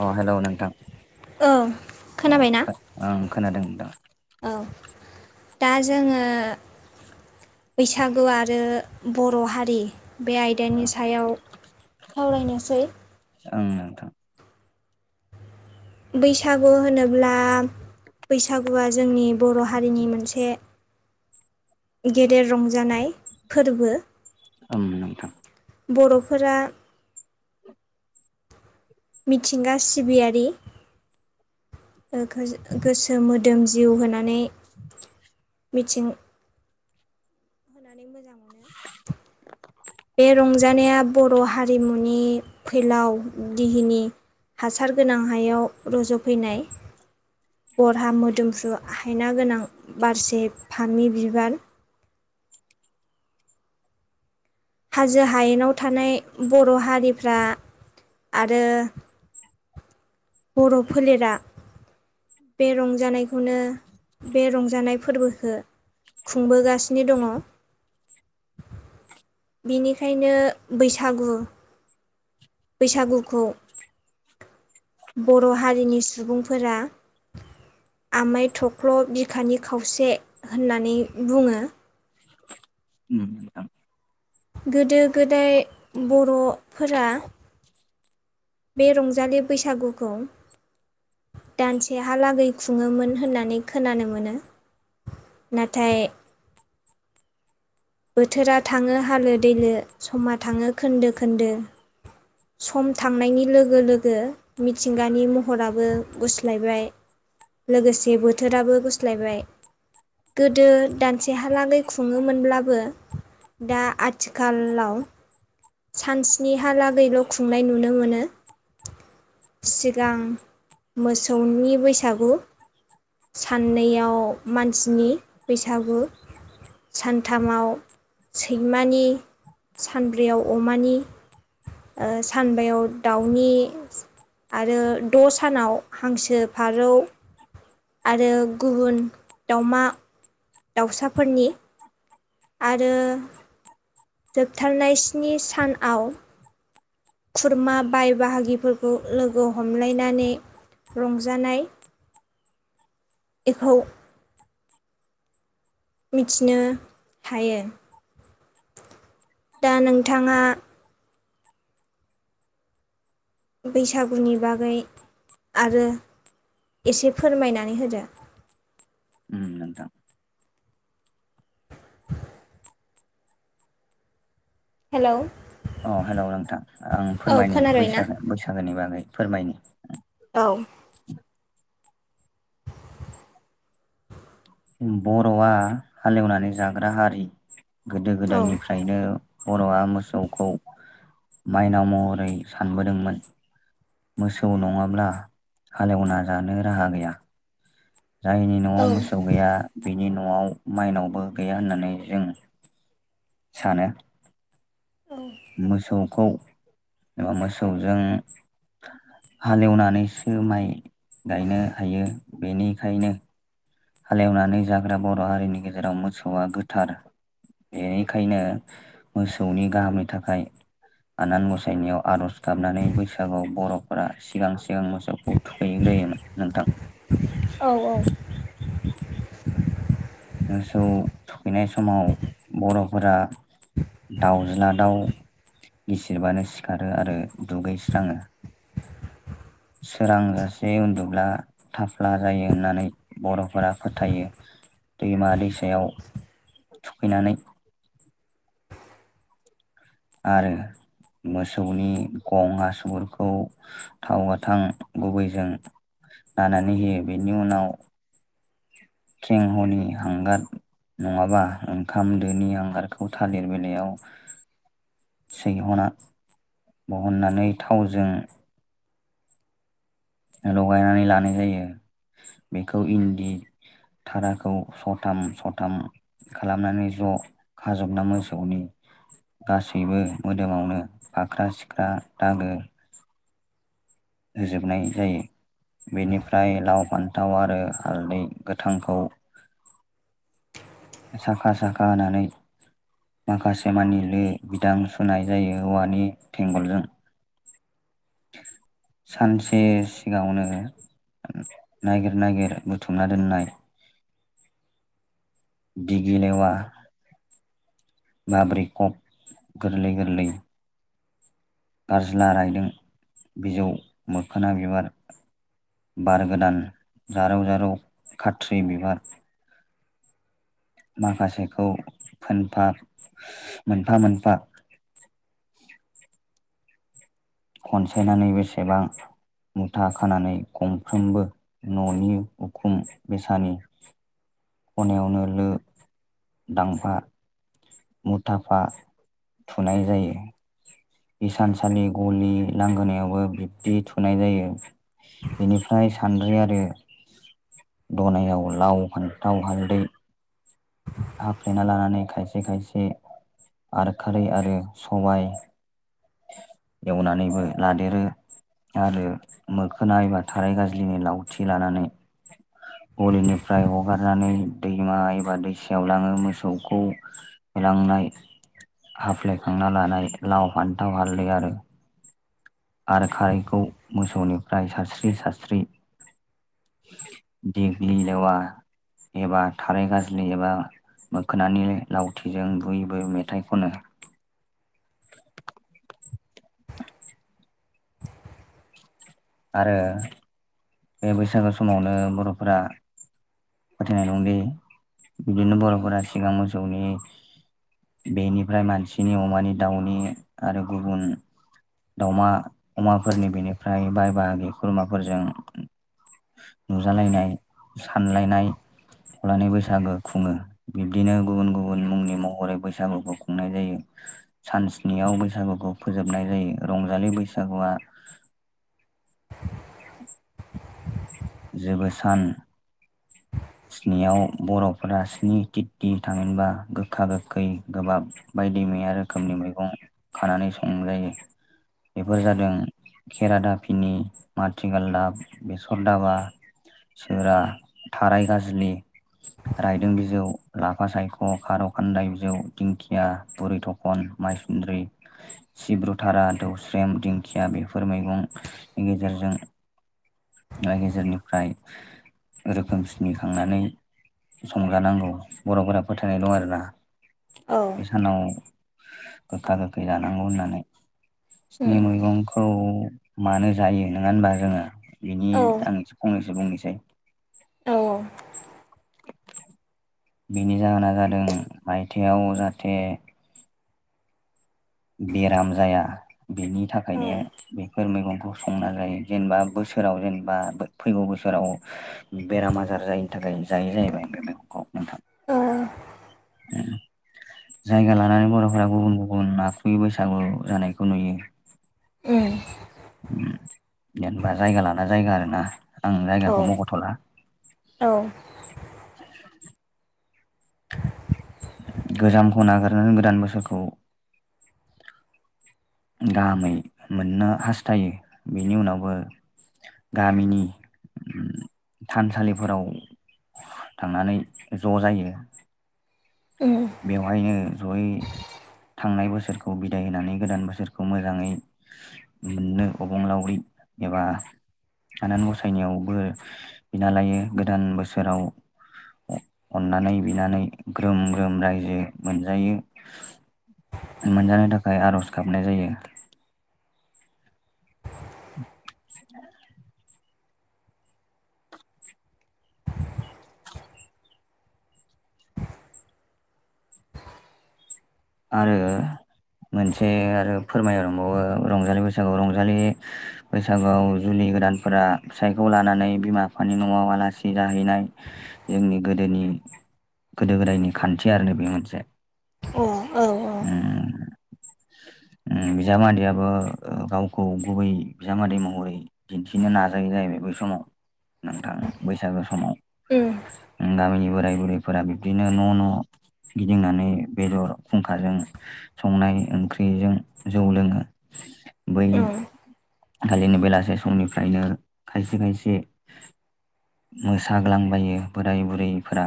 अ हेल' नोंथां औ खोनाबायना औ ओं। खोनादों दा। औ दा जोङो बैसागु आरो बर' हारि बे आयदानि सायाव सावरायनोसै। ओं नोंथां। बैसागु होनो ब्ला बैसागुवआ जोंनि बर' हारिनि मोनसे गेदेर रंजानाय फोरबो उम नोंथां। बर'फोरा मिथिंगा सिबियारि गोसो मोद मोदोम जिउ होनानै मिथिं होनानै मोजां मोनो बे रंजानाया बर' हारिमुनि फैलाव दिहिनि हासार गोनां हायाव रज'फैनाय। बरहा मोदोमफ्रु आ हायना गोनां बारसे फामि बिबार। औ हाजो हायेनाव थानाय बर' हारिफ्रा आरो बर' फोलेरा बे रंजानायखौनो बे रंजानाय फोरबोखो खुंबोगासिनो दंङ। बेनिखायनो बैसागु बैसागुखौ बर' हारिनि सुबुंफोरा आमाय थख्ल' बिखानि खावसे होननानै बुंङो। उम नोंथां गोदो गोदाय बर'फोरा बे रंजालि बैसागुखौ दानसेहालागै खुंङोमोन होननानै खोनानो मोनो। नाथाय। बोथोरा थांङो हालो दैलो समा थांङो खोन्दो खोन्दो सम थांनायनि लोगो लोगो मिथिंगानि महराबो गुस्लायबाय। लोगोसे बोथोराबो गुस्लायबाय। गोदो दानसेहालागै खुंङोमोनब्ला बो दा आथिखालाव सानस्नि हा लागैल' खुंनाय नुनो मोनो। सिगां मोसौनि बैसागु। साननैयाव मानसिनि बैसागु सान थामाव सैमानि सानब्रैयाव अमानि। ओ सानबायाव दाउनि। आरो द' सानाव हांसो फारौ। आरो गुबुन दावमा दाउसाफोरनि। आरो जोबथारनाय स्नि सान आव खुरमा बाय बाहागिफोरखौ लोगो हमलायनानै रंजानाय एखौ। मिथिनो हायो। दा नोंथांङा बैसागुनि बागै आरो एसे फोरमायनानै होदो। ओम नोंथां। हेलौ। अ हेलौ नोंथां आं औ फोरमायनि खोनाबाय ना बैसागो बैसागोनि बागै फोरमायनि। औ। ओम बर'आ हालेवनानै जाग्रा हारि गोदो औ गोदायनिफ्रायनो बर'आ मोसौखौ माइनाव महरै सानबोदोंमोन। मोसौ नंङाब्ला हालेवना जानो राहा गैया। जायनि न'आव औ मोसौ गैया बिनि न'आव माइनावबो गैया होननानै जों सानो। मोसौखौ एबा मोसौजों हालेवनानैसो माइ गायनो हायो बेनिखायनो हालेवनानै जाग्रा बर' हारिनि गेजेराव मोसौआ गोथार बेनिखायनो मोसौनि गाहामनि थाखाय आनान गसायनायाव आर'ज गाबनानै बैसागुआव बर'फोरा सिगां सिगां मोसौखौ थुखैग्रो होयोमोन नोंथां। औ औ। मोसौ थुखैनाय समाव बर'फोरा दाउ'ज्ला दाउ' गसिरबानो सिखारो आरो दुगैस्राङो सोरां जासे उन्दुब्ला थाफ्ला जायो होननानै बर'फोरा फोथायो। दैमा दैसायाव थुखैनानै आरो। मोसौनि गं हासुुरफोरखौ थाव गोथां गुबैजों नानानै होयो बेनि उनाव खिंहनि हांगार नङाबा ओंखाम दोनि आंगारखौ थालिर बिलायाव सैहना बहननानै थावजों लगायनानै लानाय जायो बेखौ इन्दि धाराखौ सथाम सथाम खालामनानै ज' खाजोबना मोसौनि गासैबो मोदोमावनो फाख्रा सिख्रा दागो होजोबनाय जायो। बेनिफ्राय लाव फान्थाव आरो हालदै गोथांखौ [inaudible] साखा साखा होनानै माखासे मानिलु बिदां सुनाय जायो औवानि थेंगलजों। [inaudible] सानसे सिगाङावनो। ननायागिर नागिर बुथुमना दोननाय [inaudible] दिगि लेवा माबोरै' खब गोरलै गोरलै गारस्ला रायदों बिजौ मोखोना बिबार बार गोदान जारौ जारौ खाथ्रि बिबार माखासेखौफा खोनफा मोनफा मोनफा खनसायनानै बेसेबां मुथा खानानै गंफ्रोमबो न'नि उखुम बेसानि [inaudible] खनायावनो लो दांफा मुथाफा थुनाय जायो हसानसालि गलि लांगोनायावबो बिब्दि थुनाय जायो। बेनिफ्राय सानद्रि आरो दनायाव लाव फान्थाव हालदै हाफ्लेना लानानै खायसे खायसे आर खारै आरो सबाय एवनानैबो लादेरो आरो मोखोना ए बा थाराय गाज्लिनि लावथि लानानै गलिनिफ्राय हगारनानै दैमा एबा दै आव लाङो मोसौखौ होलांनाय आफ्ले खांना लानाय लााव फान्थाव हालदै आरो आरो खारैखौ मोसौनिफ्राय सारस्रि सारस्रि दिग्लि लेवा एबा थारै गाजलि एबा मोखोनानै लावथिजों बुयबो मेथाइ खनो आरो बे बैसागु समावनो बर'फोरा फोथायनाय दंदि बिदिनो बर'फोरा सिगां मोसौनि। बेनिफ्राय मानसिनि अमानि दाउनि आरो गुबुन दाउमा अमाफोरनि बेनिफ्राय बाय बागि खुरमाफोरजों नुजालायनाय सानलायनाय फनानै बैसागो खुङो बिब्दिनो गुबुन गुबुन मुंनि महरै बैसागुखौ खुंनाय जायो। सान सनियाव बैसागुखौ फोजोबनाय जायो रंजालि बैसागुआ [inaudible] [inaudible] जेबो सान [inaudible] स्नियाव बर'फोरा स्नि तिटि थाङबा गोखा गोखै गोबाब बायदि मैया रोखोमनि मैगं खानानै संजायो बेफोर जादों खेरा दाफिनि माथिगाल दाब बेसर दाबा सोरा थाराय गाजलि रायदों बिजौ लाफा सायख' खार' खान्दाय बिजौ दिंखिया बुरि थखन माइसुन्द्रि सिब्रुथारा दौस्रेम दिंखिया बेफोर मैगंनि गेजेरजों गेजेरनिफ्राय रोखोमसिनि खांनानै संजानांगौ बर'फोरा फोथायनाय दं आरोना औ बे सानाव गोखा गोखै जानांगौ होननानै उम सिनि मैगंखौ मानो जायो नङा होनबा रोङो बिनि औ आं बुंनोसै! औ औ बिनि जाहोना जादों आायथायाइाव जाहाथे बेराम जाया बेनि थाखायनो औ बेफोर मैगंखौ संना जायो जेनेबा बोसोराव जेनेबा फैगौ बोसोराव बेराम आजार जायैनि थाखाय जायो जाहैबाय आ बे मैगंखौ नोंथां। [inaudible] जायगा लानानै बर'फोरा गुबुन गुबुन ना बैसागु जानायखौ नुयो उम। जेनेबा जायगा लाना जायगा आरो ना आं औ उम अ औ जायगाखौ मगथ'ला औ गोजामखौ नागारनानै गोदान बोसोरखौ गाहामै मोननो हास्थायो बेनि उनावबो गामिनि थानसालिफोराव थांनानै ज' जायो। उम बेवहायनो जयै थांनाय बोसोरखौ बिदाय होनानै गोदान बोसोरखौ मोजाङै मोननो अबंलावरि एबा। आनान गसायनायावबो बिना लायो गोदान बोसोराव अननानै बिनानै ग्रोम ग्रोम रायजो मोनजायो मोनजानो थाखाय आर'ज गाबनाय जायो। [inaudible] आरो। मोनसे आरो फोरमाय दंबावो रंजालि बैसागुआव रंजालि बैसागुआव जुलि गोदानफोरा फिसायखौ लानानै बिमा बिफानि न'आव आलासि जाहैनाय जोंनि गोदोनि [inaudible] गोदो गोदायनि खान्थि आरो नै बे मोनसे उम ओ। [inaudible] ओम बिजामादैयाबो गावखौ गुबै बिजामादै महरै दिन्थिनो नाजायो जाहैबाय। बै समाव नोंथां बैसागो समाव गामिनि बोराय बुरै फुंखाजों संनाय ओंख्रिजों जौ लोङो। बै उम खालिनो बेलासे समनिफ्रायनो खायसे खायसे मोसाग्लांबायो बोराय बुरैफोरा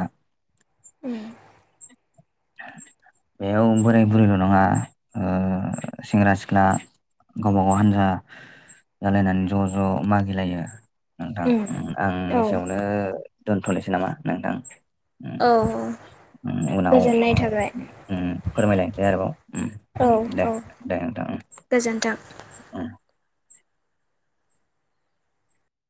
बेयाव बोराय बुरैल' नङा ओ सेंग्रा सिख्ला गावब गाव हान्जा जालायनानै ज' ज' मागिलायो। नोंथां उम ओं औ आंनिसेयावनो दोनथ'नोसै नामा नोंथां। उम औ उम उनाव गोजोननाय थाबाय। उम फोरमायलायनोसै आरोबाव औ उम दे औ दे नोंथां। गोजोन्थों उम